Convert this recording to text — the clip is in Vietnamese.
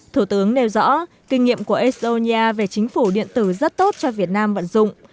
thủ tướng nêu rõ kinh nghiệm của estonia về chính phủ điện tử rất tốt cho việt nam vận dụng